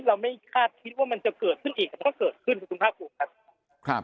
เราไม่คาดคิดว่ามันจะเกิดขึ้นอีกมันก็เกิดขึ้นคุณภาคภูมิครับ